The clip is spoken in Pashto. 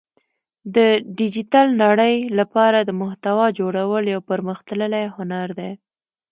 د ډیجیټل نړۍ لپاره د محتوا جوړول یو پرمختللی هنر دی